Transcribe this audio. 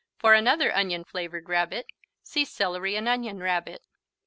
For another onion flavored Rabbit see Celery and Onion Rabbit.